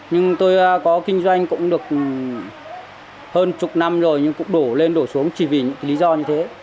nhưng tôi có kinh doanh cũng được hơn chục năm rồi nhưng cũng đổ lên đổ xuống chỉ vì những lý do như thế